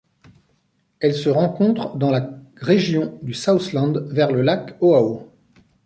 Elle se rencontre dans la région du Southland vers le lac Ohau.